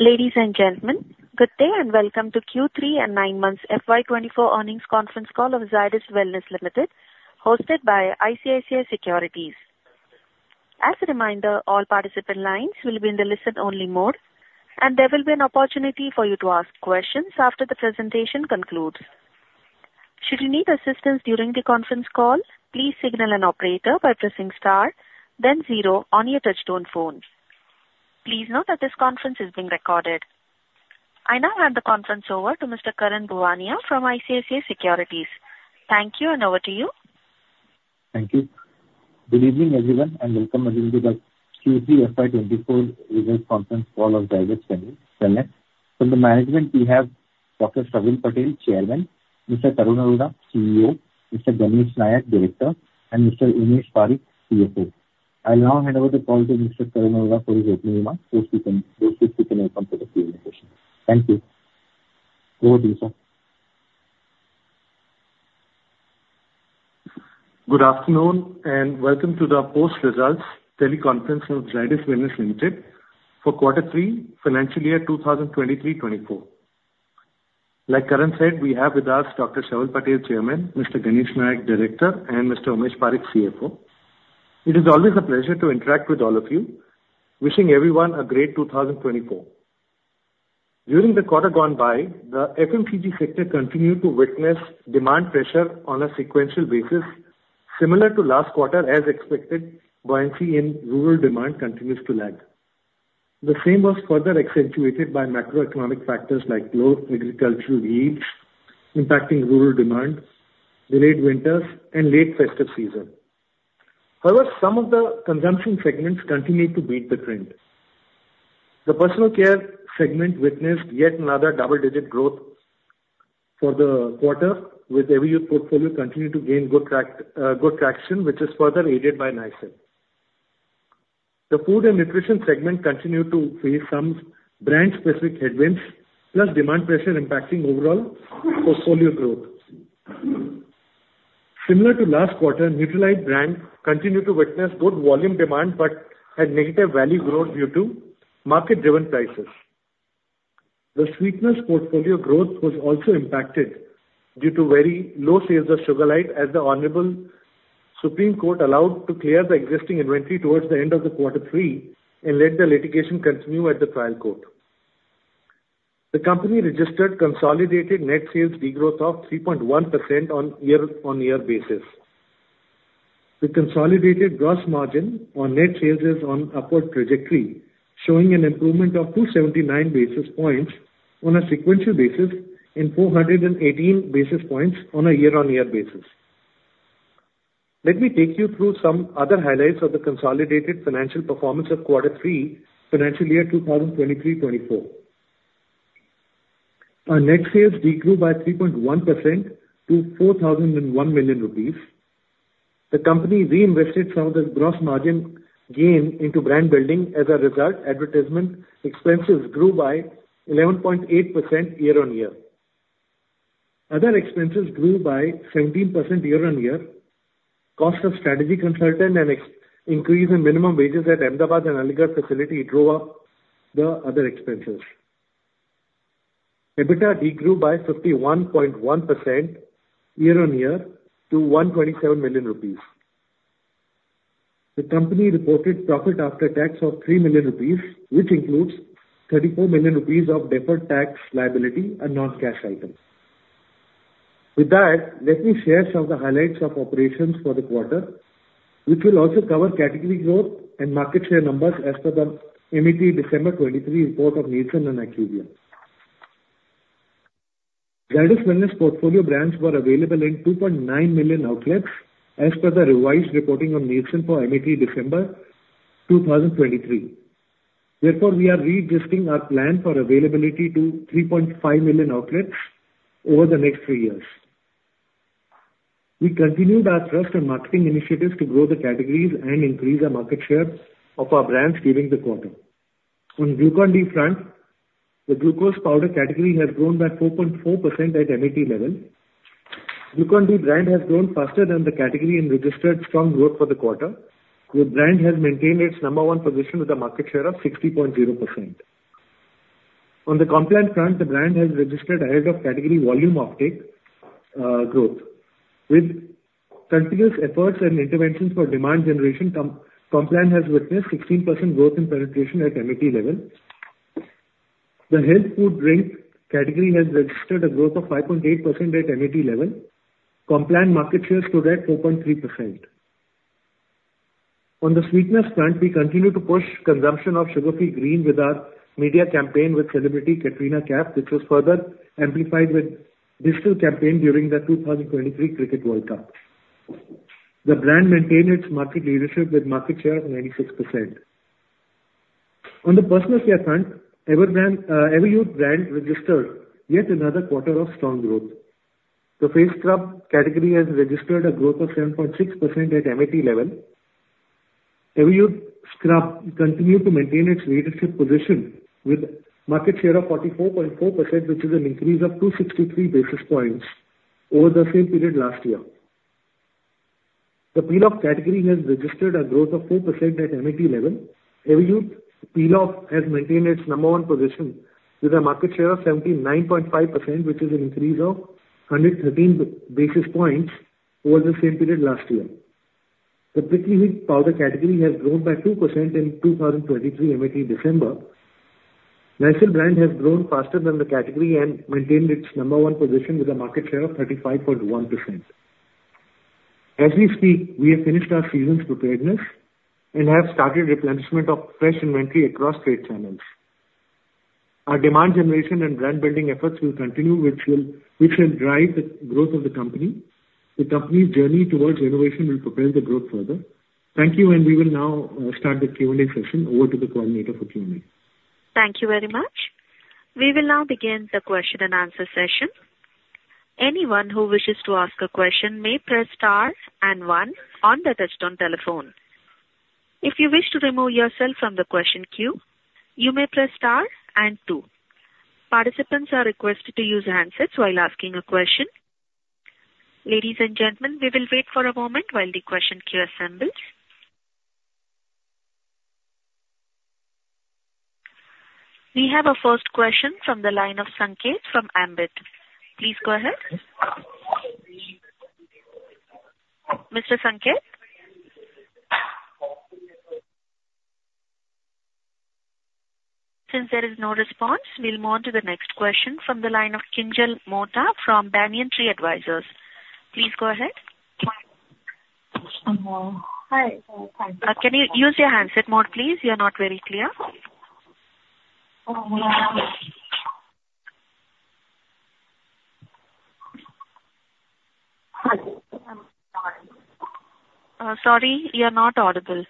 Ladies and gentlemen, good day, and welcome to Q3 and nine months FY 2024 earnings conference call of Zydus Wellness Limited, hosted by ICICI Securities. As a reminder, all participant lines will be in the listen-only mode, and there will be an opportunity for you to ask questions after the presentation concludes. Should you need assistance during the conference call, please signal an operator by pressing star then zero on your touchtone phone. Please note that this conference is being recorded. I now hand the conference over to Mr. Karan Bhuwania from ICICI Securities. Thank you, and over to you. Thank you. Good evening, everyone, and welcome again to the Q3 FY 2024 results conference call of Zydus Wellness, Wellness. From the management, we have Dr. Sharvil Patel, Chairman; Mr. Tarun Arora, CEO; Mr. Ganesh Nayak, Director; and Mr. Umesh Parikh, CFO. I will now hand over the call to Mr. Tarun Arora for his opening remarks so he can welcome to the presentation. Thank you. Over to you, sir. Good afternoon, and welcome to the post-results teleconference of Zydus Wellness Limited for quarter three, financial year 2023-2024. Like Karan said, we have with us Dr. Sharvil Patel, Chairman; Mr. Ganesh Nayak, Director; and Mr. Umesh Parikh, CFO. It is always a pleasure to interact with all of you. Wishing everyone a great 2024. During the quarter gone by, the FMCG sector continued to witness demand pressure on a sequential basis, similar to last quarter as expected, buoyancy in rural demand continues to lag. The same was further accentuated by macroeconomic factors like low agricultural yields impacting rural demand, delayed winters, and late festive season. However, some of the consumption segments continued to beat the trend. The personal care segment witnessed yet another double-digit growth for the quarter, with Everyuth portfolio continued to gain good traction, which is further aided by Nycil. The Food and Nutrition Segment continued to face some brand-specific headwinds, plus demand pressure impacting overall portfolio growth. Similar to last quarter, Nutralite brand continued to witness good volume demand, but had negative value growth due to market-driven prices. The Sweeteners Portfolio Growth was also impacted due to very low sales of Sugarlite as the Honorable Supreme Court allowed to clear the existing inventory towards the end of the quarter three and let the litigation continue at the trial court. The company registered consolidated net sales degrowth of 3.1% year-on-year basis. The consolidated gross margin on net sales is on upward trajectory, showing an improvement of 279 basis points on a sequential basis and 418 basis points on a year-on-year basis. Let me take you through some other highlights of the consolidated financial performance of quarter three, financial year 2023-2024. Our net sales degrew by 3.1% to 4,001 million rupees. The company reinvested some of the gross margin gain into brand building. As a result, advertisement expenses grew by 11.8% year-over-year. Other expenses grew by 17% year-over-year. Cost of strategy consultant and expense increase in minimum wages at Ahmedabad and Aligarh facility drove up the other expenses. EBITDA degrew by 51.1% year-over-year to 127 million rupees. The company reported profit after tax of 3 million rupees, which includes 34 million rupees of deferred tax liability, a non-cash item. With that, let me share some of the highlights of operations for the quarter, which will also cover category growth and market share numbers as per the MAT December 2023 report of Nielsen and IQVIA. Zydus Wellness portfolio brands were available in 2.9 million outlets, as per the revised reporting of Nielsen for MAT December 2023. Therefore, we are readjusting our plan for availability to 3.5 million outlets over the next three years. We continued our trust and marketing initiatives to grow the categories and increase our market share of our brands during the quarter. On Glucon-D front, the glucose powder category has grown by 4.4% at MAT level. Glucon-D brand has grown faster than the category and registered strong growth for the quarter. The brand has maintained its number one position with a market share of 60.0%. On the Complan front, the brand has registered ahead of category volume offtake growth. With continuous efforts and interventions for demand generation, Complan has witnessed 16% growth in penetration at MAT level. The health food drink category has registered a growth of 5.8% at MAT level. Complan market share stood at 4.3%. On the sweeteners front, we continue to push consumption of Sugar Free Green with our media campaign with celebrity Katrina Kaif, which was further amplified with digital campaign during the 2023 Cricket World Cup. The brand maintained its market leadership with market share of 96%. On the personal care front, Everyuth brand registered yet another quarter of strong growth. The Face scrub category has registered a growth of 7.6% at MAT level. Everyuth scrub continued to maintain its leadership position with market share of 44.4%, which is an increase of 263 basis points over the same period last year. The peel-off category has registered a growth of 4% at MAT level. Everyuth's peel-off has maintained its number one position with a market share of 79.5%, which is an increase of 113 basis points over the same period last year. The prickly heat powder category has grown by 2% in 2023, MAT December. Nycil brand has grown faster than the category and maintained its number one position with a market share of 35.1%. As we speak, we have finished our season's preparedness and have started replenishment of fresh inventory across trade channels. Our demand generation and brand building efforts will continue, which will drive the growth of the company. The company's journey towards innovation will propel the growth further. Thank you, and we will now start the Q&A session. Over to the coordinator for Q&A. Thank you very much. We will now begin the question and answer session. Anyone who wishes to ask a question may press star and one on the touchtone telephone. If you wish to remove yourself from the question queue, you may press star and two. Participants are requested to use handsets while asking a question. Ladies and gentlemen, we will wait for a moment while the question queue assembles. We have a first question from the line of Sanket from Ambit. Please go ahead. Mr. Sanket? Since there is no response, we'll move on to the next question from the line of Kinjal Mota from Banyan Tree Advisors. Please go ahead. Hi. Can you use your handset mode, please? You're not very clear. Hello. Sorry, you're not audible.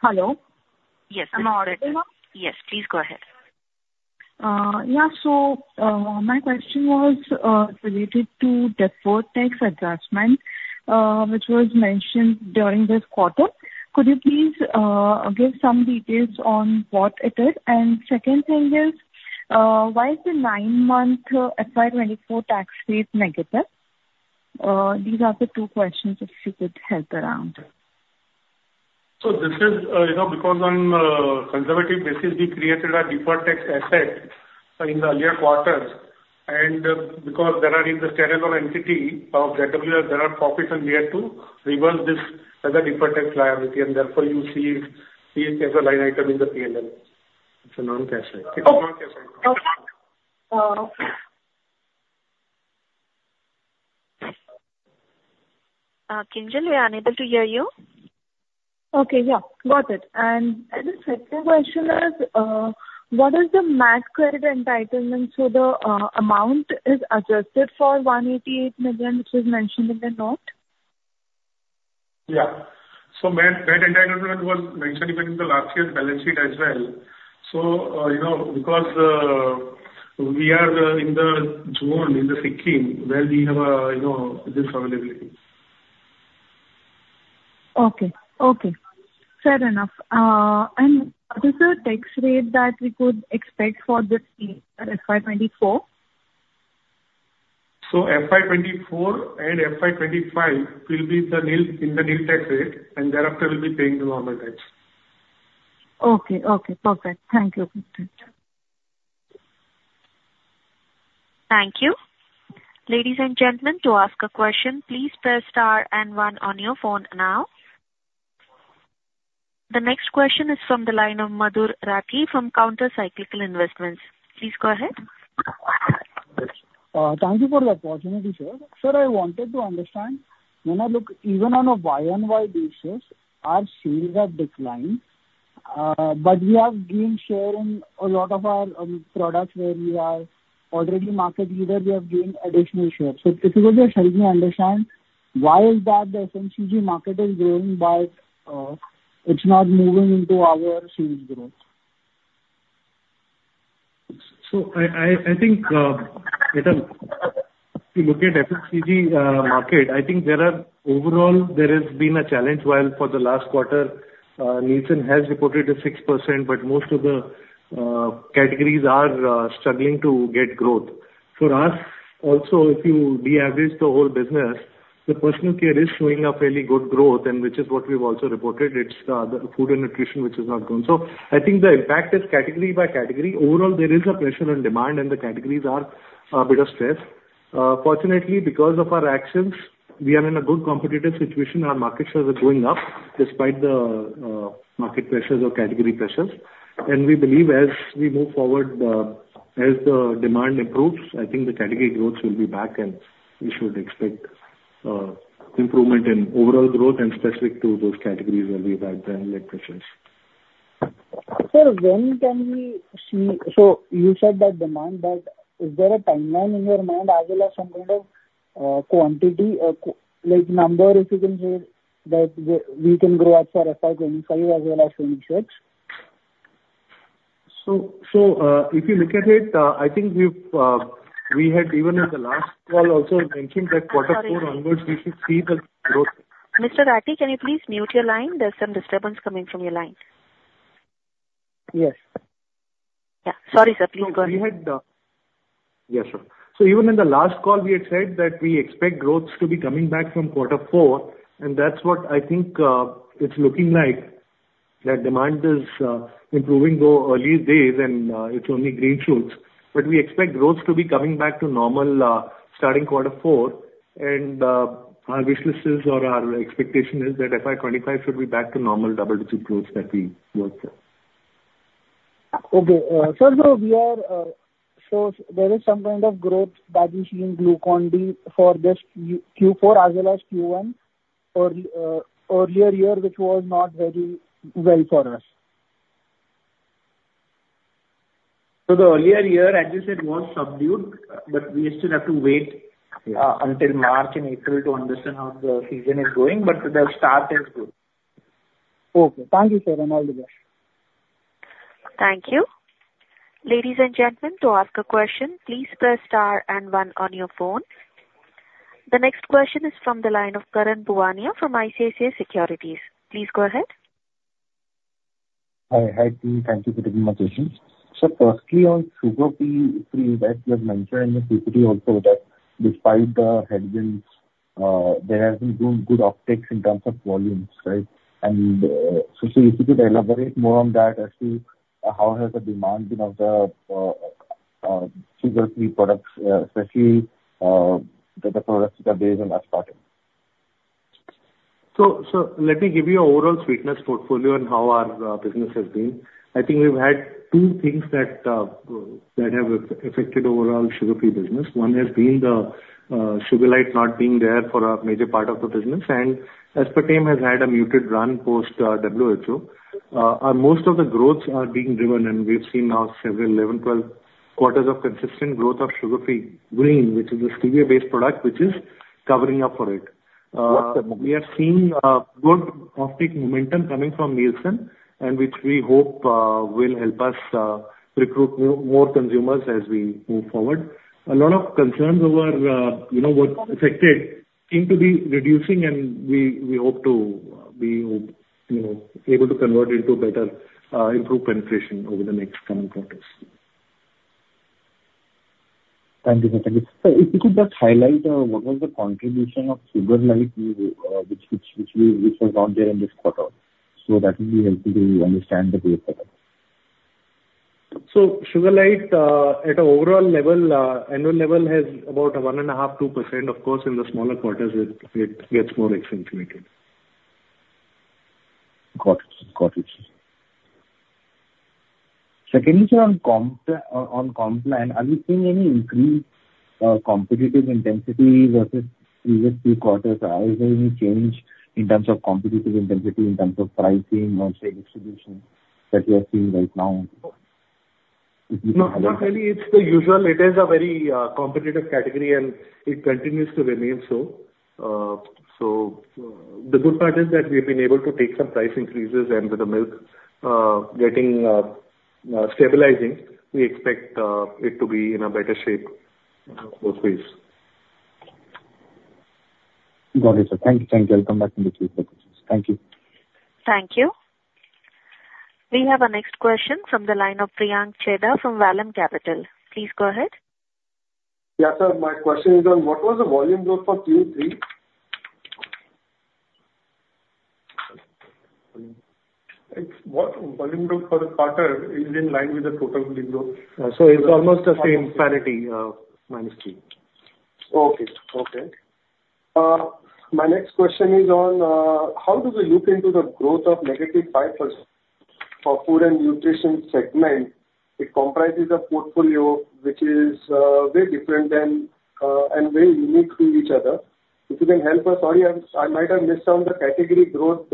Hello? Yes, I'm audible. Yes, please go ahead. Yeah, so, my question was related to deferred tax adjustment, which was mentioned during this quarter. Could you please give some details on what it is? And second thing is, why is the nine-month FY 2024 tax rate negative? These are the two questions, if you could help around. So this is, you know, because on conservative basis, we created a deferred tax asset in the earlier quarters, and because there are in the standalone entity of ZWL, there are profits, and we had to reverse this as a deferred tax liability, and therefore, you see it, see it as a line item in the PNL. It's a non-cash item. Oh, okay. Kinjal, we are unable to hear you. Okay, yeah, got it. The second question is, what is the MAT credit entitlement? So the amount is adjusted for 188 million, which was mentioned in the note? Yeah. So MAT entitlement was mentioned even in the last year's balance sheet as well. So, you know, because we are in the zone, in the scheme, where we have a, you know, this availability. Okay. Okay, fair enough. And what is the tax rate that we could expect for this FY 2024? FY 2024 and FY 2025 will be the nil, in the nil tax rate, and thereafter we'll be paying the normal tax. Okay. Okay, perfect. Thank you. Thank you. Ladies and gentlemen, to ask a question, please press star and one on your phone now. The next question is from the line of Madhur Rathi from Counter Cyclical Investments. Please go ahead. Thank you for the opportunity, sir. Sir, I wanted to understand, when I look even on a Y on Y basis, our sales have declined, but we have gained share in a lot of our products where we are already market leader, we have gained additional share. So if you could just help me understand, why is that the FMCG market is growing, but it's not moving into our sales growth? So I think, if you look at FMCG market, overall, there has been a challenge while for the last quarter, Nielsen has reported a 6%, but most of the categories are struggling to get growth. For us, also, if you deaverage the whole business, the personal care is showing a fairly good growth, and which is what we've also reported. It's the food and nutrition which has not grown. So I think the impact is category by category. Overall, there is a pressure on demand, and the categories are a bit of stressed. Fortunately, because of our actions, we are in a good competitive situation. Our market shares are going up despite the market pressures or category pressures. We believe as we move forward, as the demand improves, I think the category growth will be back, and we should expect improvement in overall growth and specific to those categories where we have the pressures. Sir, when can we see... So you said that demand, but is there a timeline in your mind as well as some kind of, quantity or like, number, if you can say that we, we can grow up for FY 2025 as well as in future? So, if you look at it, I think we've, we had even in the last call also mentioned that- I'm sorry. Quarter four onwards, we should see the growth. Mr. Rathi, can you please mute your line? There's some disturbance coming from your line. Yes. Yeah. Sorry, sir, please go ahead. We had. Yes, sure. So even in the last call, we had said that we expect growth to be coming back from quarter four, and that's what I think, it's looking like. That demand is improving though early days, and it's only green shoots. But we expect growth to be coming back to normal starting quarter four, and our wish list is, or our expectation is that FY20 25 should be back to normal double-digit growth that we worked with. Okay, so sir we are, so there is some kind of growth that we see in Glucon-D for this Q4 as well as Q1, or, earlier year, which was not very well for us. The earlier year, as you said, was subdued, but we still have to wait until March and April to understand how the season is going, but the start is good. Okay. Thank you, sir, and all the best. Thank you. Ladies and gentlemen, to ask a question, please press star and one on your phone. The next question is from the line of Karan Bhuwania from ICICI Securities. Please go ahead. Hi. Hi, team. Thank you for taking my question. So firstly, on Sugar Free, if we also that despite the headwinds, there has been good, good offtake in terms of volumes, right? And, so if you could elaborate more on that as to how has the demand been of the Sugar Free products, especially the? So let me give you an overall sweetness portfolio and how our business has been. I think we've had two things that have affected overall Sugar Free business. One has been the Sugarlite not being there for a major part of the business, and Aspartame has had a muted run post WHO. And most of the growths are being driven, and we've seen now several 11, 12 quarters of consistent growth of Sugar Free Green, which is a Stevia-based product, which is covering up for it. Okay. We are seeing good offtake momentum coming from Nielsen, and which we hope will help us recruit more consumers as we move forward. A lot of concerns over, you know, what affected seem to be reducing, and we hope to, you know, able to convert into a better improved penetration over the next coming quarters. Thank you, sir. Thank you. Sir, if you could just highlight what was the contribution of Sugarlite, which was not there in this quarter, so that will be helpful to understand the growth better. Sugarlite, at an overall level, annual level, has about a 1.5%-2%. Of course, in the smaller quarters, it gets more accentuated. Got it. Got it. Secondly, sir, on Complan, are you seeing any increased competitive intensity versus previous few quarters? Or has there any change in terms of competitive intensity, in terms of pricing or say, distribution, that you are seeing right now? No, not really. It's the usual. It is a very competitive category, and it continues to remain so. So, the good part is that we've been able to take some price increases, and with the milk getting stabilizing, we expect it to be in a better shape going forward. Got it, sir. Thank you. Thank you. I'll come back in the future. Thank you. Thank you. We have our next question from the line of Priyank Chheda from Vallum Capital. Please go ahead. Yeah, sir, my question is on what was the volume growth for Q3? It's volume growth for the quarter is in line with the total volume growth. It's almost the same parity, -3. Okay. Okay. My next question is on how do we look into the growth of -5% for food and nutrition segment? It comprises a portfolio which is very different and very unique to each other. If you can help us... Sorry, I might have missed some of the category growth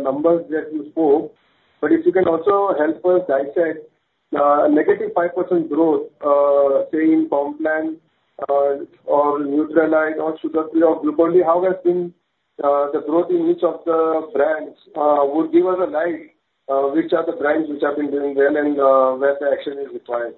numbers that you spoke, but if you can also help us dissect -5% growth, say, in Complan or Nutralite or Sugar Free or Glucon-D. How has been the growth in each of the brands would give us a light which are the brands which have been doing well and where the action is required?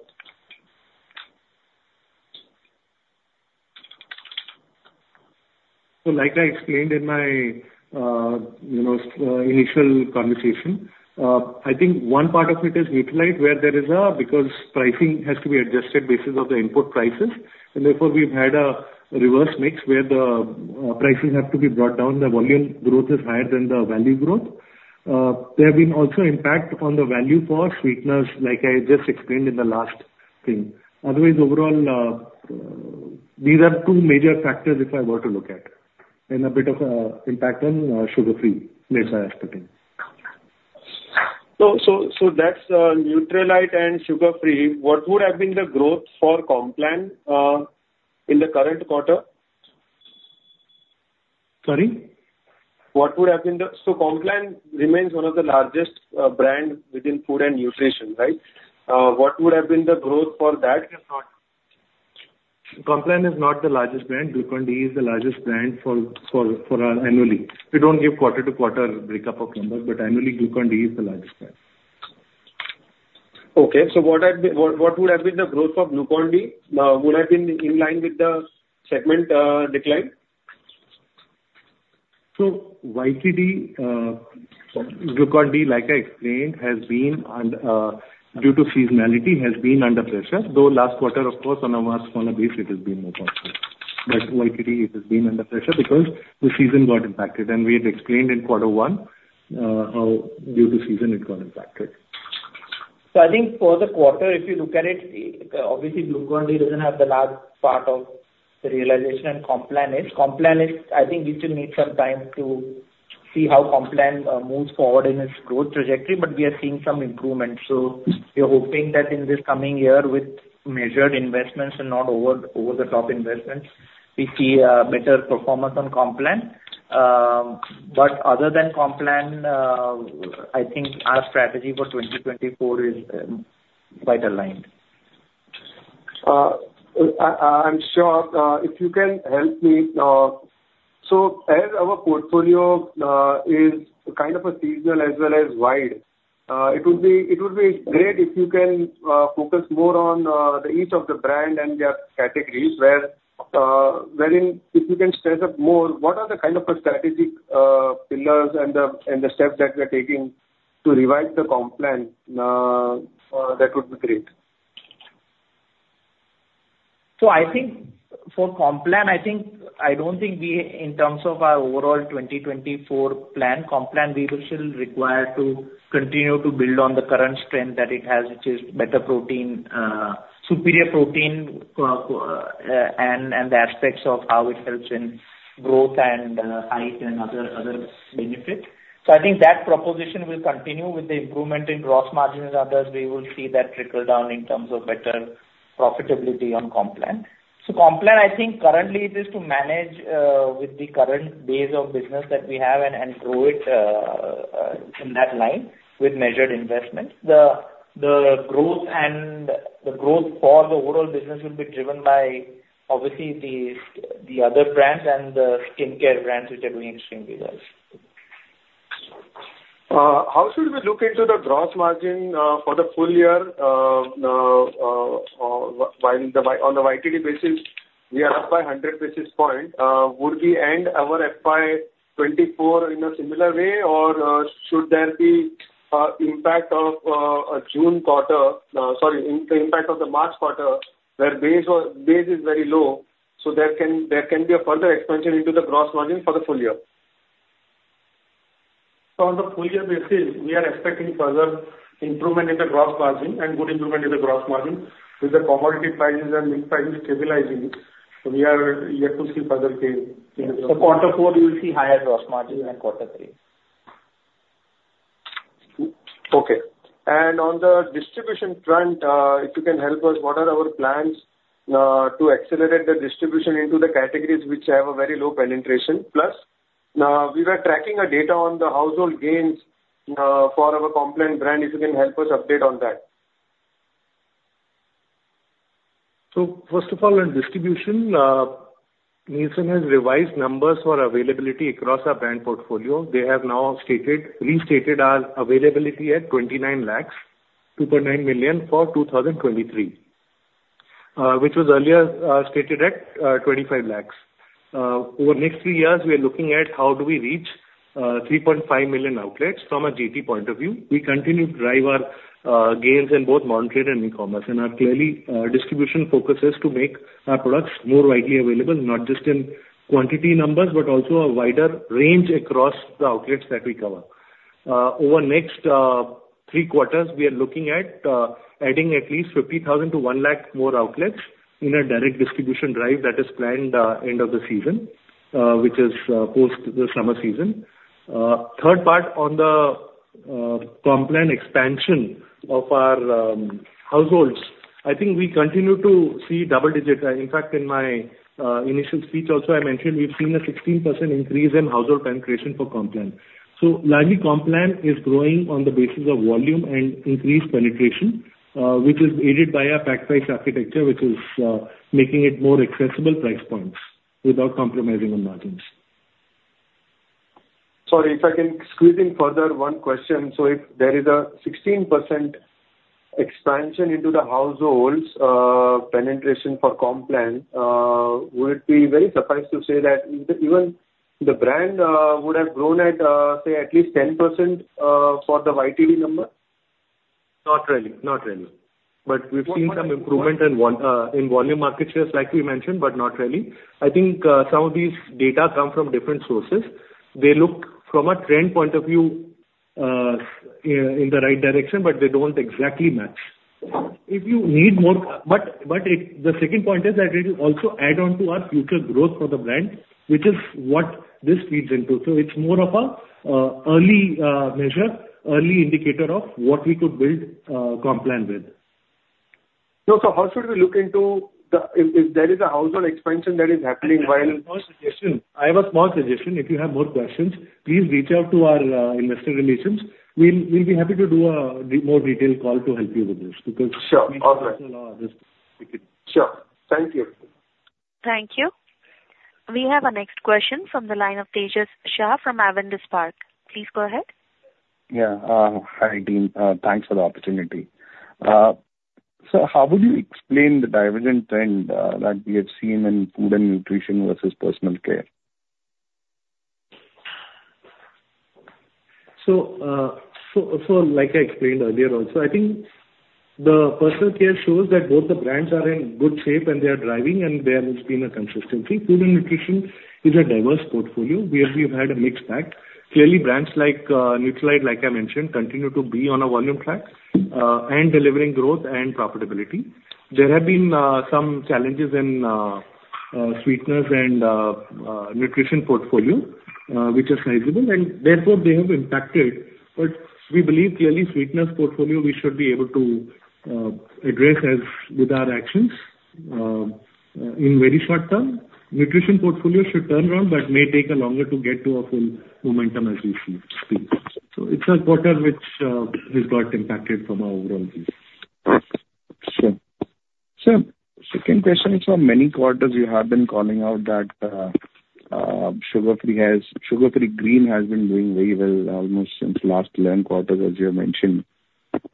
So, like I explained in my, you know, initial conversation, I think one part of it is Nutralite, where there is, because pricing has to be adjusted basis of the input prices, and therefore, we've had a reverse mix, where the, pricing have to be brought down, the volume growth is higher than the value growth. There have been also impact on the value for sweeteners, like I just explained in the last thing. Otherwise, overall, these are two major factors if I were to look at, and a bit of, impact on, Sugar Free, less aspartame. So that's Nutralite and Sugar Free. What would have been the growth for Complan in the current quarter? Sorry? So Complan remains one of the largest brands within food and nutrition, right? What would have been the growth for that, if not? Complan is not the largest brand. Glucon-D is the largest brand annually. We don't give quarter-to-quarter breakup of numbers, but annually, Glucon-D is the largest brand. Okay, so what have been, what, what would have been the growth for Glucon-D? Would have been in line with the segment decline? So YTD, Glucon-D, like I explained, has been on, due to seasonality, has been under pressure, though last quarter, of course, on a month-on-month basis, it has been more positive. But YTD, it has been under pressure because the season got impacted, and we had explained in quarter one, how due to season it got impacted. So I think for the quarter, if you look at it, obviously Glucon-D doesn't have the large part of the realization and Complan is. Complan is, I think we still need some time to see how Complan moves forward in its growth trajectory, but we are seeing some improvement. So we are hoping that in this coming year, with measured investments and not over-the-top investments, we see better performance on Complan. But other than Complan, I think our strategy for 2024 is quite aligned. I'm sure if you can help me, so as our portfolio is kind of seasonal as well as wide, it would be, it would be great if you can focus more on the each of the brand and their categories where, wherein if you can stress up more, what are the kind of strategic pillars and the, and the steps that we are taking to revise the Complan, that would be great. So I think for Complan, I think, I don't think we, in terms of our overall 2024 plan, Complan, we will still require to continue to build on the current strength that it has, which is better protein, superior protein, and the aspects of how it helps in growth and height and other benefits. So I think that proposition will continue with the improvement in gross margins and others, we will see that trickle down in terms of better profitability on Complan. So Complan, I think currently it is to manage with the current base of business that we have and grow it in that line with measured investments. The growth for the overall business will be driven by, obviously, the other brands and the skincare brands which are doing extremely well. How should we look into the gross margin for the full year, while on the YTD basis, we are up by 100 basis points. Would we end our FY 2024 in a similar way? Or, should there be impact of a June quarter, sorry, impact of the March quarter, where base was, base is very low, so there can be a further expansion into the gross margin for the full year? So on the full year basis, we are expecting further improvement in the gross margin and good improvement in the gross margin. With the commodity prices and mix prices stabilizing, so we are yet to see further change in the- Quarter four, we will see higher gross margin than quarter three. Okay. On the distribution front, if you can help us, what are our plans to accelerate the distribution into the categories which have a very low penetration? Plus, we were tracking a data on the household gains for our Complan brand. If you can help us update on that. First of all, on distribution, Nielsen has revised numbers for availability across our brand portfolio. They have now stated, restated our availability at 29 lakhs, 2.9 million for 2023, which was earlier stated at 25 lakhs. Over the next three years, we are looking at how do we reach 3.5 million outlets from a GT point of view. We continue to drive our gains in both modern trade and e-commerce, and clearly our distribution focus is to make our products more widely available, not just in quantity numbers, but also a wider range across the outlets that we cover. Over the next three quarters, we are looking at adding at least 50,000-1 lakh more outlets in a direct distribution drive that is planned end of the season, which is post the summer season. Third part on the Complan expansion of our households, I think we continue to see double digits. In fact, in my initial speech also, I mentioned we've seen a 16% increase in household penetration for Complan. So largely, Complan is growing on the basis of volume and increased penetration, which is aided by our packed price architecture, which is making it more accessible price points without compromising on margins. Sorry, if I can squeeze in further one question. So if there is a 16% expansion into the households, penetration for Complan, would it be very surprised to say that even the brand would have grown at, say, at least 10%, for the YTD number? Not really. Not really. But we've seen some improvement in volume market shares, like we mentioned, but not really. I think some of these data come from different sources. They look from a trend point of view in the right direction, but they don't exactly match. If you need more- The second point is that it will also add on to our future growth for the brand, which is what this feeds into. So it's more of an early measure, early indicator of what we could build Complan with. So, how should we look into the, if there is a household expansion that is happening while- I have a small suggestion. I have a small suggestion. If you have more questions, please reach out to our Investor Relations. We'll, we'll be happy to do a more detailed call to help you with this, because- Sure. All right. Sure. Thank you. Thank you. We have our next question from the line of Tejas Shah from Avendus Spark. Please go ahead. Yeah, hi, team. Thanks for the opportunity. So how would you explain the divergent trend that we have seen in food and nutrition versus personal care? So, like I explained earlier also, I think the personal care shows that both the brands are in good shape, and they are driving, and there has been a consistency. Food and nutrition is a diverse portfolio, where we have had a mixed bag. Clearly, brands like Nutralite, like I mentioned, continue to be on a volume track and delivering growth and profitability. There have been some challenges in sweetness and nutrition portfolio, which is sizable, and therefore they have impacted. But we believe clearly sweetness portfolio, we should be able to address as with our actions in very short term. Nutrition portfolio should turn around, but may take a longer to get to a full momentum as we speak. So it's a quarter which is got impacted from our overall view. Sure. Sir, second question, for many quarters you have been calling out that, Sugar Free has, Sugar Free Green has been doing very well almost since last nine quarters, as you have mentioned.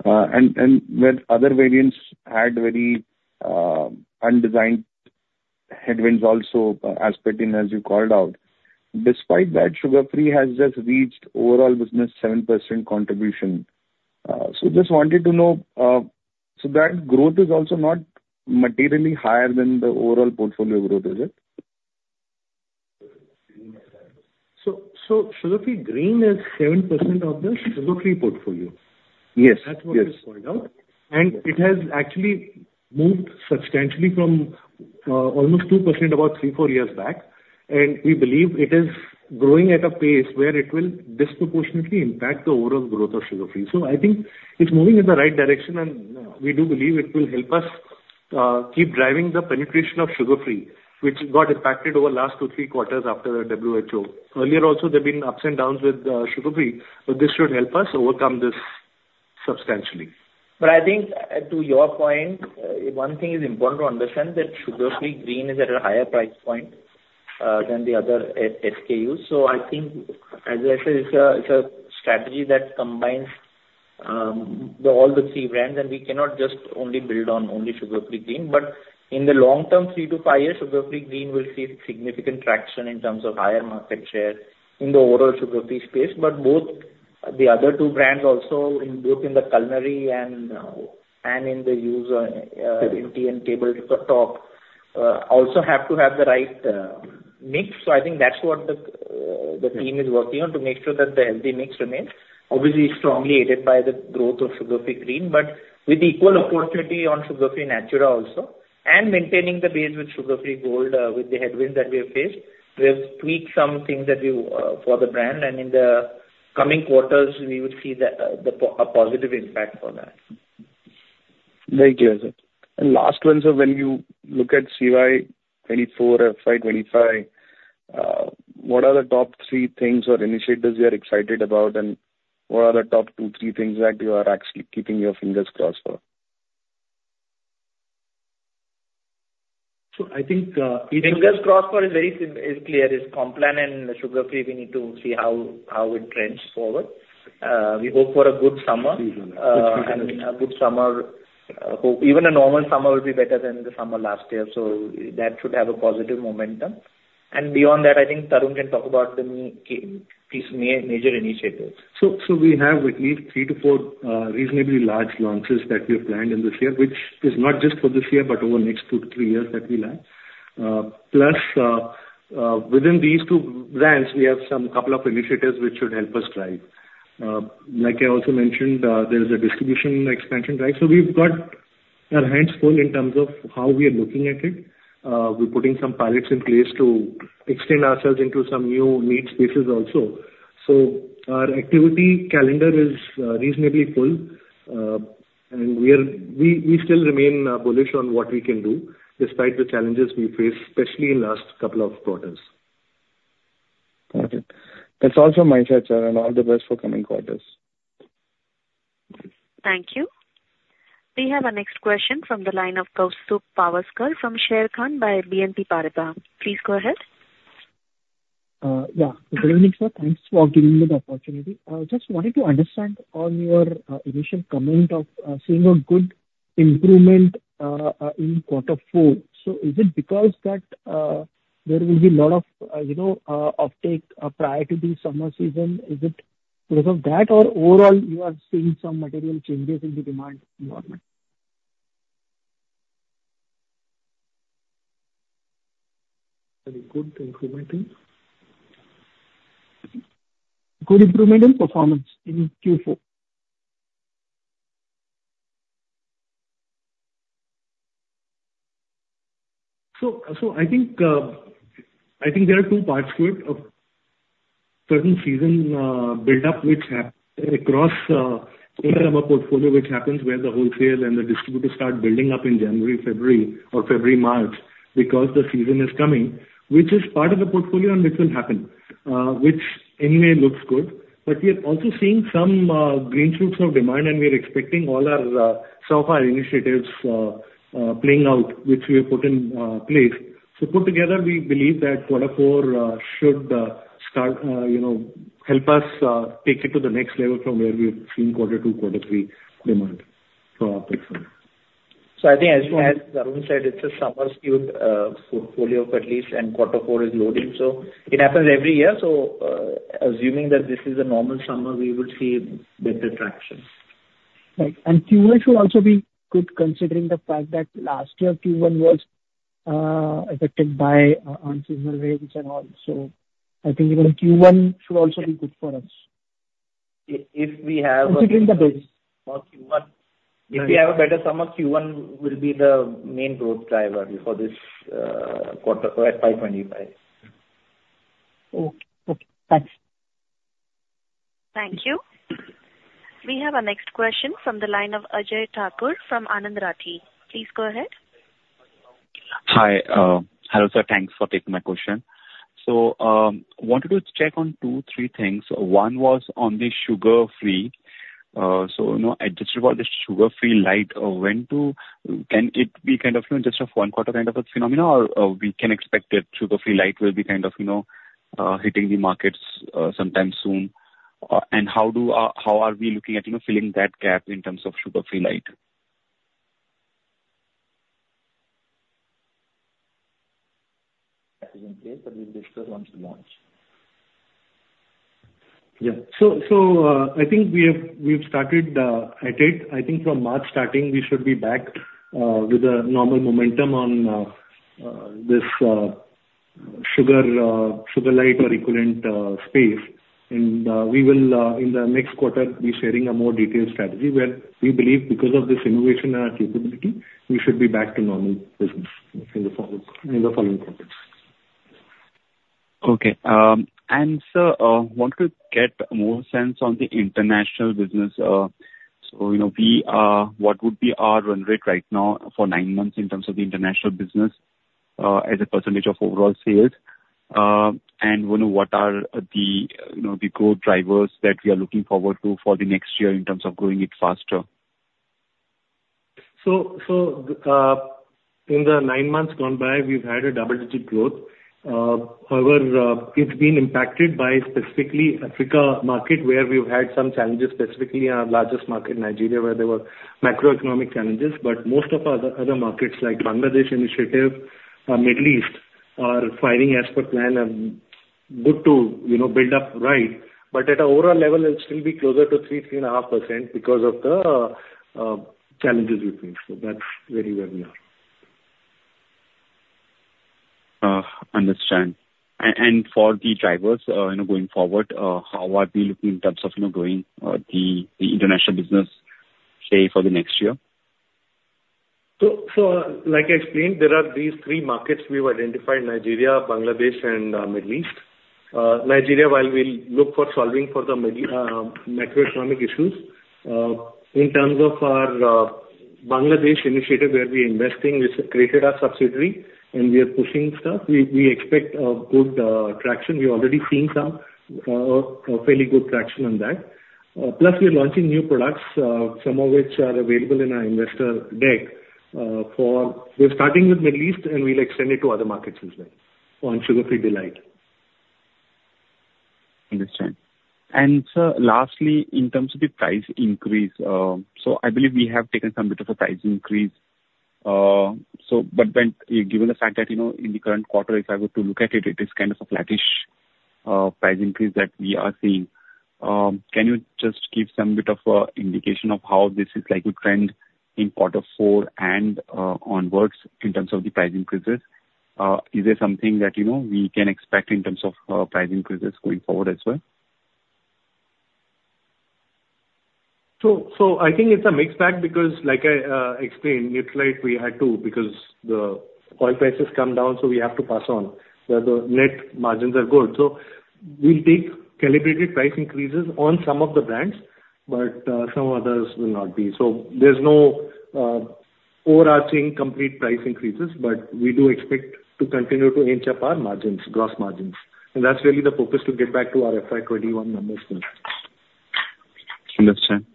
And where other variants had very, undesired headwinds also, as per, as you called out. Despite that, Sugar Free has just reached overall business 7% contribution. So just wanted to know, so that growth is also not materially higher than the overall portfolio growth, is it? So, Sugar Free Green is 7% of the Sugar Free portfolio. Yes, yes. That's what you pointed out. It has actually moved substantially from almost 2% about three, four years back. We believe it is growing at a pace where it will disproportionately impact the overall growth of Sugar Free. So I think it's moving in the right direction, and we do believe it will help us keep driving the penetration of Sugar Free, which got impacted over last two, three quarters after the WHO. Earlier also, there have been ups and downs with Sugar Free, but this should help us overcome this substantially. But I think, to your point, one thing is important to understand, that Sugar Free Green is at a higher price point, than the other SKUs. So I think, as I said, it's a, it's a strategy that combines, the, all the three brands, and we cannot just only build on only Sugar Free Green. But in the long term, three-five years, Sugar Free Green will see significant traction in terms of higher market share in the overall Sugar Free space. But both the other two brands also, in both in the culinary and, and in the user, in tea and table top, also have to have the right, mix. So I think that's what the, the team is working on, to make sure that the healthy mix remains. Obviously, strongly aided by the growth of Sugar Free Green, but with equal opportunity on Sugar Free Natura also, and maintaining the base with Sugar Free Gold, with the headwinds that we have faced. We have tweaked some things that we, for the brand, and in the coming quarters, we would see a positive impact on that. Very clear, sir. Last one, sir, when you look at CY 2024, FY 2025, what are the top three things or initiatives you are excited about, and what are the top two, three things that you are actually keeping your fingers crossed for? So I think, Fingers crossed for is very similar is clear, is Complan and Sugar Free. We need to see how it trends forward. We hope for a good summer. Season. And a good summer, even a normal summer will be better than the summer last year, so that should have a positive momentum. And beyond that, I think Tarun can talk about these major initiatives. So, so we have at least three-four, reasonably large launches that we have planned in this year, which is not just for this year, but over the next two-three years that we launch. Plus, within these two brands, we have some couple of initiatives which should help us drive. Like I also mentioned, there is a distribution expansion, right? So we've got our hands full in terms of how we are looking at it. We're putting some pilots in place to extend ourselves into some new market spaces also. So our activity calendar is, reasonably full, and we still remain, bullish on what we can do, despite the challenges we face, especially in last couple of quarters. Got it. That's also my side, sir, and all the best for coming quarters. Thank you. We have our next question from the line of Kaustubh Pawaskar from Sharekhan by BNP Paribas. Please go ahead. Yeah. Good evening, sir. Thanks for giving me the opportunity. Just wanted to understand on your initial comment of seeing a good improvement in quarter four. So is it because that there will be a lot of you know uptake prior to the summer season? Is it because of that, or overall, you are seeing some material changes in the demand environment? Very good improvement in? Good improvement in performance in Q4. So, I think there are two parts to it. Certain seasonal buildup, which happens across our entire portfolio, where the wholesalers and distributors start building up in January, February, or February-March, because the season is coming, which is part of the portfolio and which will happen, which anyway looks good. But we are also seeing some green shoots of demand, and we are expecting all our so-far initiatives playing out, which we have put in place. So put together, we believe that quarter four should start, you know, help us take it to the next level from where we have seen quarter two, quarter three demand from our side. So I think as Tarun said, it's a summer skewed portfolio for at least, and quarter four is loading, so it happens every year. So, assuming that this is a normal summer, we will see better traction. Right. And Q1 should also be good, considering the fact that last year Q1 was affected by unseen waves and all. So I think even Q1 should also be good for us. If we have- Considering the base. For Q1, if we have a better summer, Q1 will be the main growth driver for this quarter, at 525. Okay. Okay, thanks. Thank you. We have our next question from the line of Ajay Thakur from Anand Rathi. Please go ahead. Hi, hello, sir. Thanks for taking my question. So, wanted to check on two, three things. One was on the Sugar Free. So, you know, I just read about the Sugar Free D'lite, can it be kind of, you know, just a one quarter kind of a phenomenon or, or we can expect that Sugar Free D'lite will be kind of, you know, hitting the markets sometime soon? And how do, how are we looking at, you know, filling that gap in terms of Sugar Free D'lite? That is in place, but we'll discuss once we launch. Yeah. So, I think we have, we've started at it. I think from March starting, we should be back with a normal momentum on this Sugarlite or equivalent space. And we will in the next quarter be sharing a more detailed strategy where we believe because of this innovation and our capability, we should be back to normal business in the following quarters. Okay. And sir, wanted to get more sense on the international business. So, you know, what would be our run rate right now for nine months in terms of the international business, as a percentage of overall sales? And, you know, what are the, you know, the growth drivers that we are looking forward to for the next year in terms of growing it faster? In the nine months gone by, we've had a double-digit growth. However, it's been impacted by specifically Africa market, where we've had some challenges, specifically our largest market, Nigeria, where there were macroeconomic challenges. But most of our other markets, like Bangladesh initiative or Middle East, are firing as per plan and good to, you know, build up right. But at an overall level, it's still be closer to 3%-3.5% because of the challenges we face. So that's really where we are. Understand. And for the drivers, you know, going forward, how are we looking in terms of, you know, growing the international business, say, for the next year? So, like I explained, there are these three markets we've identified: Nigeria, Bangladesh, and Middle East. Nigeria, while we look for solving for the macroeconomic issues, in terms of our Bangladesh initiative, where we're investing, we've created a subsidiary and we are pushing stuff. We expect a good traction. We've already seen some fairly good traction on that. Plus, we are launching new products, some of which are available in our investor deck. We're starting with Middle East, and we'll extend it to other markets as well, on Sugar Free D'lite. Understand. And sir, lastly, in terms of the price increase, so I believe we have taken some bit of a price increase. So but then given the fact that, you know, in the current quarter, if I were to look at it, it is kind of a flattish price increase that we are seeing. Can you just give some bit of a indication of how this is likely to trend in quarter four and onwards in terms of the price increases? Is there something that, you know, we can expect in terms of price increases going forward as well? So, I think it's a mixed bag because, like I explained, it's like we had to, because the oil prices come down, so we have to pass on, where the net margins are good. So we'll take calibrated price increases on some of the brands, but some others will not be. So there's no overarching complete price increases, but we do expect to continue to inch up our margins, gross margins, and that's really the focus to get back to our FY 2021 numbers. Understand.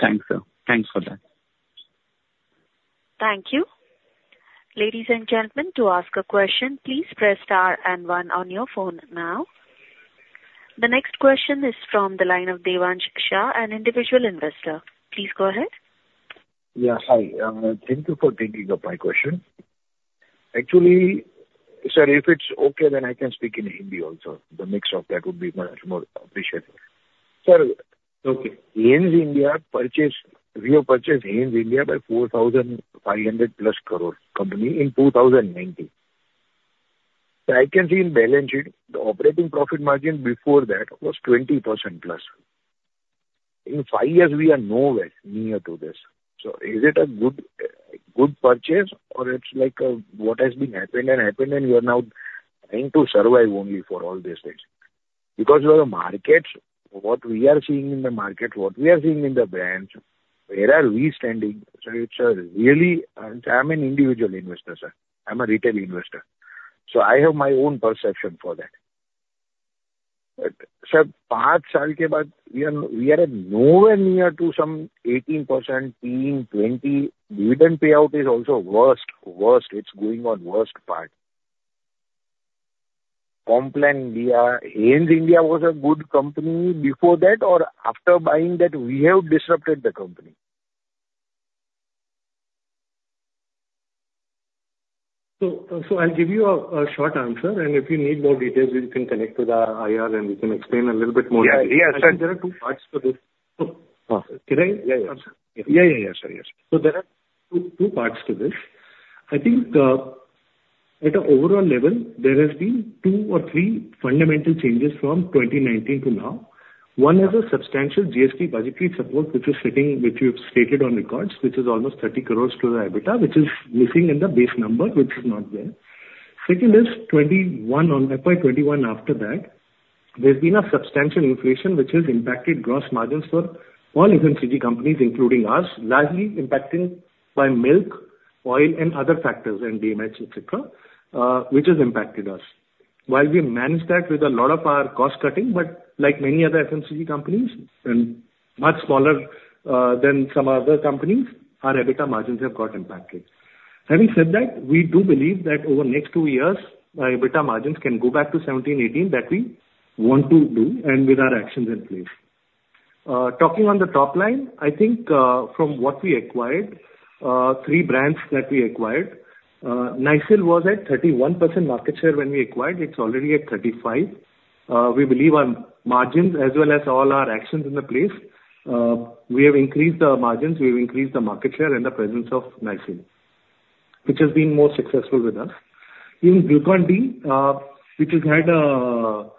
Thanks, sir. Thanks for that. Thank you. Ladies and gentlemen, to ask a question, please press star and one on your phone now. The next question is from the line of Devansh Shah, an individual investor. Please go ahead. Yeah, hi. Thank you for taking up my question. Actually, sir, if it's okay, then I can speak in Hindi also. The mix of that would be much more appreciated. Sir- Okay. Heinz India purchased... We have purchased Heinz India by 4,500+ crore company in 2019. So I can see in balance sheet, the operating profit margin before that was 20%+. In five years, we are nowhere near to this. So is it a good, good purchase or it's like, what has been happened and happened and we are now trying to survive only for all these things? Because the markets, what we are seeing in the market, what we are seeing in the brands, where are we standing? So it's, really, I'm an individual investor, sir. I'm a retail investor, so I have my own perception for that. But, sir, in Hindi, five years we are at nowhere near to some 18%, 10%, 20%. Dividend payout is also worst. It's going on worst part. Complan India, Heinz India was a good company before that, or after buying that, we have disrupted the company? I'll give you a short answer, and if you need more details, you can connect with our IR, and we can explain a little bit more. Yeah, yes, sir. I think there are two parts to this. Oh, can I? Yeah, yeah. Yeah, yeah, yes, sir, yes. So there are two, two parts to this. I think, at an overall level, there has been two or three fundamental changes from 2019 to now. One is a substantial GST budgetary support, which is sitting, which you've stated on records, which is almost 30 crore to the EBITDA, which is missing in the base number, which is not there. Second is 2021, on FY 2021 after that, there's been a substantial inflation which has impacted gross margins for all FMCG companies, including us, largely impacted by milk, oil, and other factors, and DMH, et cetera, which has impacted us. While we managed that with a lot of our cost cutting, but like many other FMCG companies and much smaller, than some other companies, our EBITDA margins have got impacted. Having said that, we do believe that over the next two years, our EBITDA margins can go back to 17%-18%, that we want to do, and with our actions in place. Talking on the top line, I think, from what we acquired, three brands that we acquired, Nycil was at 31% market share when we acquired, it's already at 35%. We believe on margins as well as all our actions into place, we have increased the margins, we've increased the market share, and the presence of Nycil, which has been more successful with us. In Glucon-D, which has had a,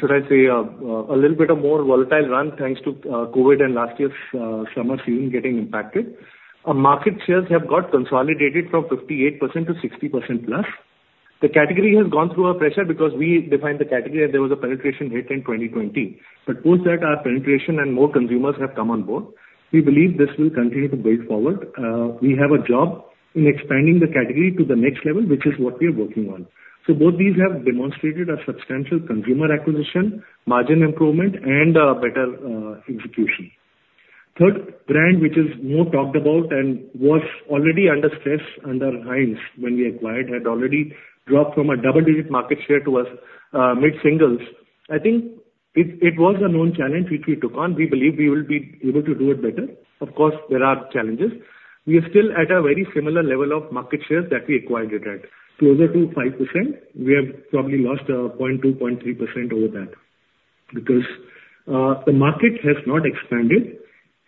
should I say, a little bit of more volatile run, thanks to, COVID and last year's, summer season getting impacted. Our market shares have got consolidated from 58% to 60%+. The category has gone through a pressure because we defined the category and there was a penetration hit in 2020. But post that, our penetration and more consumers have come on board. We believe this will continue to build forward. We have a job in expanding the category to the next level, which is what we are working on. So both these have demonstrated a substantial consumer acquisition, margin improvement, and better execution. Third brand, which is more talked about and was already under stress under Heinz when we acquired, had already dropped from a double-digit market share to mid-singles. I think it, it was a known challenge which we took on. We believe we will be able to do it better. Of course, there are challenges. We are still at a very similar level of market share that we acquired it at, closer to 5%. We have probably lost 0.2%, 0.3% over that, because the market has not expanded,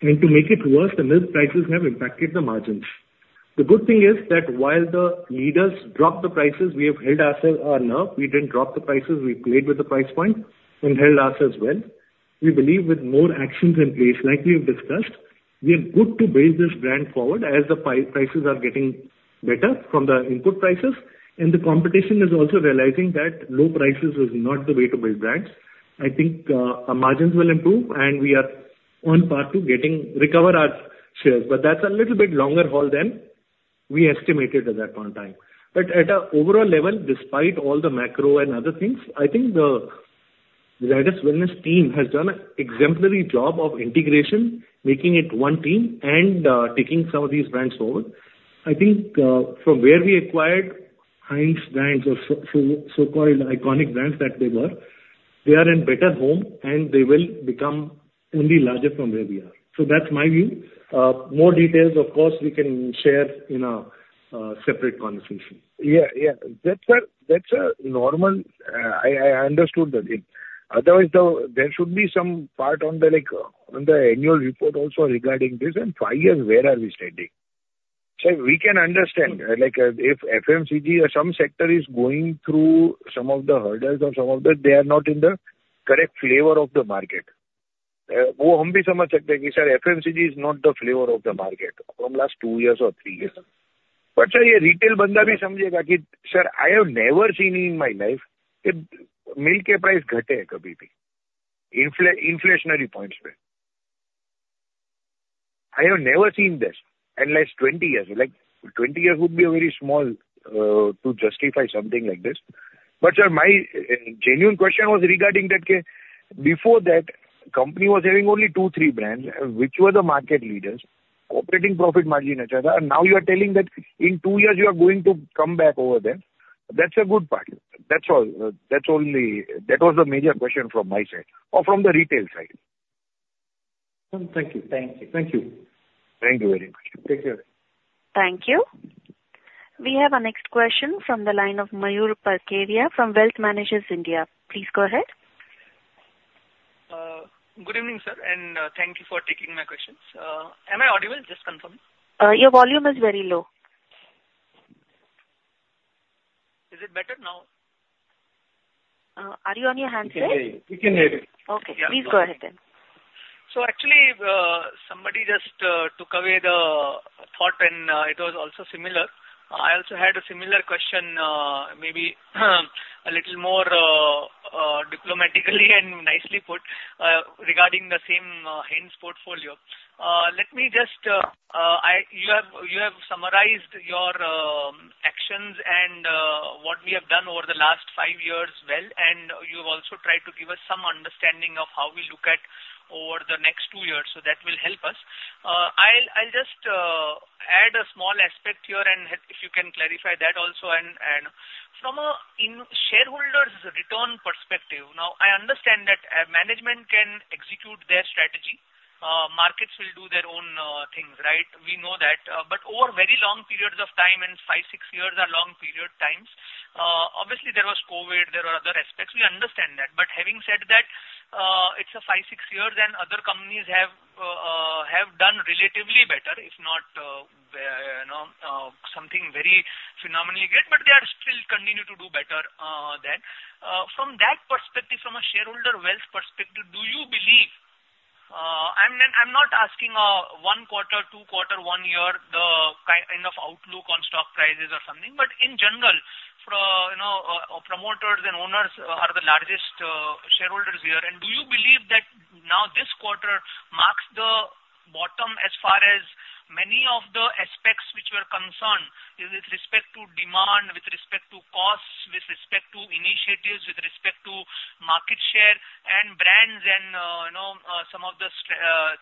and to make it worse, the milk prices have impacted the margins. The good thing is that while the leaders dropped the prices, we have held ourself enough. We didn't drop the prices, we played with the price point and held us as well. We believe with more actions in place, like we have discussed, we are good to build this brand forward as the prices are getting better from the input prices, and the competition is also realizing that low prices is not the way to build brands. I think, our margins will improve, and we are on track to recover our shares, but that's a little bit longer haul than we estimated at that point in time. But at an overall level, despite all the macro and other things, I think the Zydus wellness team has done an exemplary job of integration, making it one team and, taking some of these brands forward. I think, from where we acquired Heinz brands or so-called iconic brands that they were, they are in better hands, and they will become only larger from where we are. So that's my view. More details, of course, we can share in a separate conversation. Yeah, yeah, that's a normal, I understood that. Otherwise, though, there should be some part on the, like, on the annual report also regarding this, and five years, where are we standing? So we can understand, like, if FMCG or some sector is going through some of the hurdles or some of the. They are not in the correct flavor of the market. FMCG is not the flavor of the market from last two years or three years. But, sir, retail, sir, I have never seen in my life that milk price, inflation-inflationary points were. I have never seen this unless 20 years. Like, 20 years would be a very small to justify something like this. But, sir, my genuine question was regarding that case. Before that, company was having only two, three brands, which were the market leaders, operating profit margin, etcetera. Now you are telling that in two years you are going to come back over there. That's a good part. That's all. That's only, that was the major question from my side or from the retail side. Thank you. Thank you. Thank you. Thank you very much. Take care. Thank you. We have our next question from the line of Mayur Parkeria from Wealth Managers India. Please go ahead. Good evening, sir, and thank you for taking my questions. Am I audible? Just confirm. Your volume is very low. Is it better now? Are you on your hands, sir? We can hear you. We can hear you. Okay, please go ahead then. Actually, somebody just took away the thought, and it was also similar. I also had a similar question, maybe a little more diplomatically and nicely put, regarding the same Heinz portfolio. You have summarized your actions and what we have done over the last five years well, and you've also tried to give us some understanding of how we look at over the next two years, so that will help us. If you can clarify that also, and from a shareholders' return perspective, now, I understand that management can execute their strategy, markets will do their own things, right? We know that. But over very long periods of time, and 5, 6 years are long period times, obviously there was COVID, there were other aspects, we understand that. But having said that, it's five, six years, and other companies have done relatively better, if not, you know, something very phenomenally great, but they are still continue to do better than. From that perspective, from a shareholder wealth perspective, do you believe, I'm not, I'm not asking, one quarter, two quarter, one year, the kind of outlook on stock prices or something, but in general, for, you know, promoters and owners are the largest shareholders here, and do you believe that now this quarter marks the bottom as far as many of the aspects which were concerned with respect to demand, with respect to costs, with respect to initiatives, with respect to market share and brands and, you know, some of the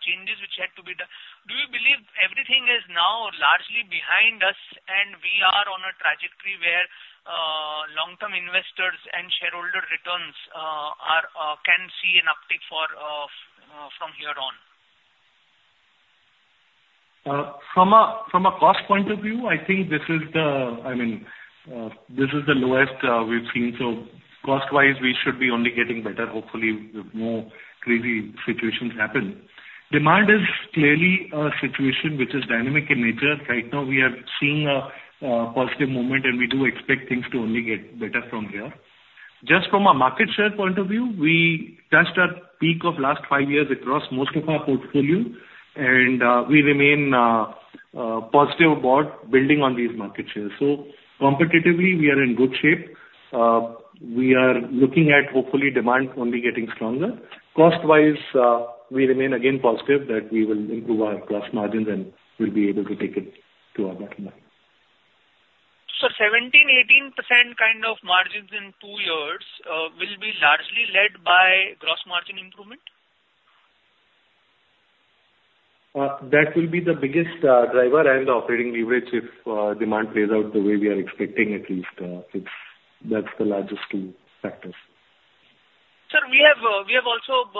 changes which had to be done? Do you believe everything is now largely behind us, and we are on a trajectory where long-term investors and shareholder returns are can see an uptick for from here on? From a cost point of view, I think this is the... I mean, this is the lowest we've seen, so cost-wise, we should be only getting better, hopefully, if no crazy situations happen. Demand is clearly a situation which is dynamic in nature. Right now, we are seeing a positive moment, and we do expect things to only get better from here. Just from a market share point of view, we touched our peak of last five years across most of our portfolio, and we remain positive about building on these market shares. So competitively, we are in good shape. We are looking at hopefully demand only getting stronger. Cost-wise, we remain again positive that we will improve our gross margins, and we'll be able to take it to our bottom line. 17%-18% kind of margins in two years will be largely led by gross margin improvement? That will be the biggest driver and operating leverage if demand plays out the way we are expecting at least. That's the largest two factors. Sir, we have, we have also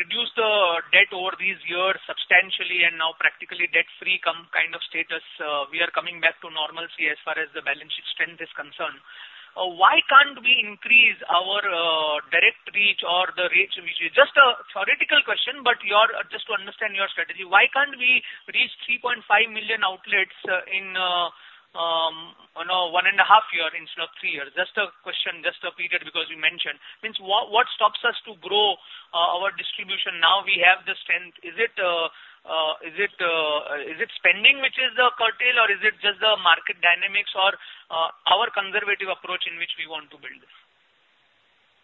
reduced the debt over these years substantially and now practically debt-free kind of status. We are coming back to normalcy as far as the balance sheet strength is concerned. Why can't we increase our direct reach or the rates which is... Just a theoretical question, but your, just to understand your strategy, why can't we reach 3.5 million outlets, in, you know, one and a half years instead of three years? Just a question, just a period, because you mentioned. Means what, what stops us to grow our distribution now we have the strength? Is it spending which is the curtail, or is it just the market dynamics or our conservative approach in which we want to build this?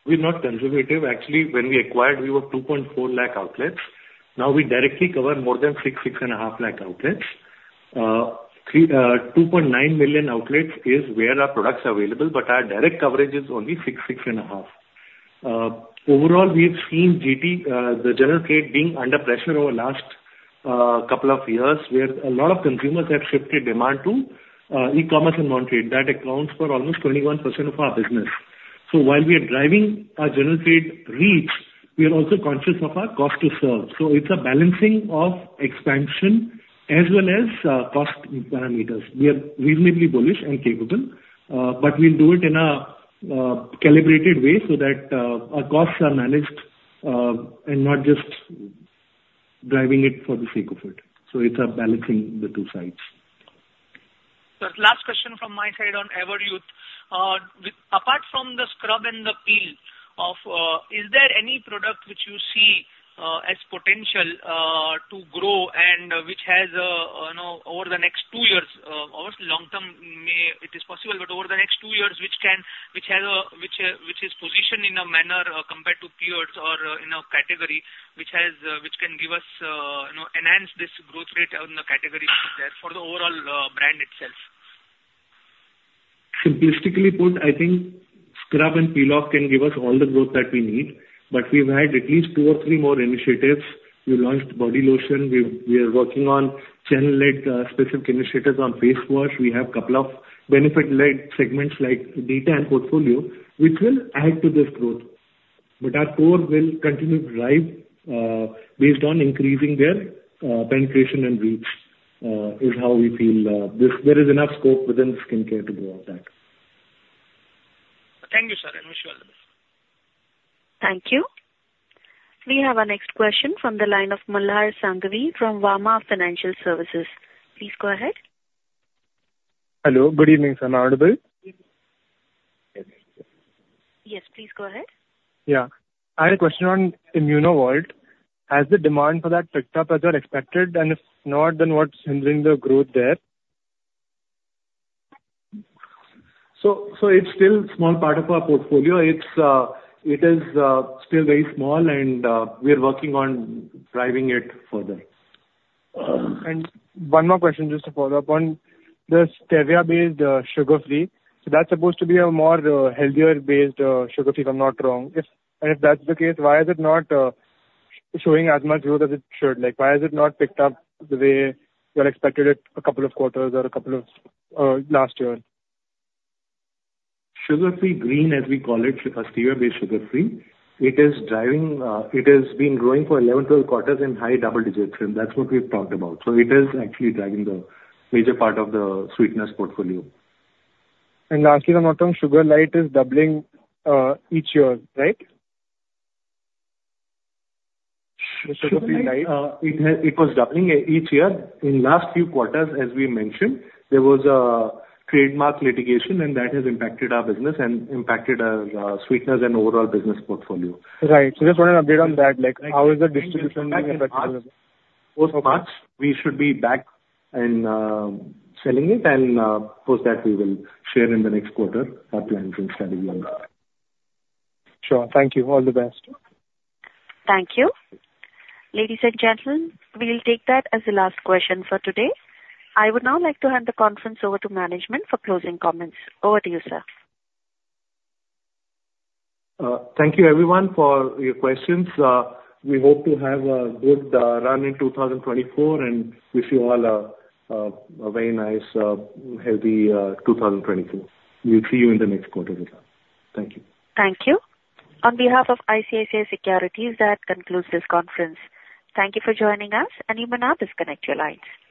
We're not conservative. Actually, when we acquired, we were 2.4 lakh outlets. Now, we directly cover more than 6 lakh-6.5 lakh outlets. 2.9 million outlets is where our products are available, but our direct coverage is only 6 lakh-6.5 lakh. Overall, we've seen GT, the general trade being under pressure over last couple of years, where a lot of consumers have shifted demand to e-commerce and modern trade. That accounts for almost 21% of our business. So while we are driving our general trade reach, we are also conscious of our cost to serve. So it's a balancing of expansion as well as cost parameters. We are reasonably bullish and capable, but we'll do it in a calibrated way so that our costs are managed, and not just driving it for the sake of it. So it's a balancing the two sides. So last question from my side on Everyuth. With, apart from the scrub and the peel-off, is there any product which you see as potential to grow and which has, you know, over the next two years, obviously long term maybe it is possible, but over the next two years, which can, which has a, which is positioned in a manner, compared to peers or, you know, category, which has, which can give us, you know, enhance this growth rate in the category for the overall, brand itself? Simplistically put, I think scrub and peel-off can give us all the growth that we need, but we've had at least two or three more initiatives. We launched body lotion. We are working on channel-led, specific initiatives on face wash. We have couple of benefit-led segments like De-tan portfolio, which will add to this growth. But our core will continue to drive, based on increasing their penetration and reach, is how we feel. This, there is enough scope within skincare to grow that. Thank you, sir, and wish you all the best. Thank you. We have our next question from the line of Malhar Sanghavi from Vama Financial Services. Please go ahead. Hello, good evening. Am I audible? Yes, please go ahead. Yeah. I had a question on ImmunoVolt. Has the demand for that picked up as you had expected? And if not, then what's hindering the growth there? So it's still small part of our portfolio. It's still very small, and we are working on driving it further. One more question, just to follow up on the Stevia-based Sugar Free. So that's supposed to be a more healthier-based Sugar Free, if I'm not wrong. If, and if that's the case, why is it not showing as much growth as it should? Like, why has it not picked up the way you had expected it a couple of quarters or a couple of last year? Free Green, as we call it, our stevia-based Sugar Free, it is driving, it has been growing for 11, 12 quarters in high double digits, and that's what we've talked about. So it is actually driving the major part of the sweetness portfolio. Lastly, the bottom Sugarlite is doubling each year, right? It was doubling each year. In last few quarters, as we mentioned, there was a trademark litigation, and that has impacted our business and impacted our sweetness and overall business portfolio. Right. So just want an update on that, like, how is the distribution being affected? We should be back and selling it, and post that we will share in the next quarter our plans and strategy on that. Sure. Thank you. All the best. Thank you. Ladies and gentlemen, we'll take that as the last question for today. I would now like to hand the conference over to management for closing comments. Over to you, sir. Thank you everyone for your questions. We hope to have a good run in 2024, and wish you all a very nice healthy 2024. We'll see you in the next quarter this time. Thank you. Thank you. On behalf of ICICI Securities, that concludes this conference. Thank you for joining us, and you may now disconnect your lines.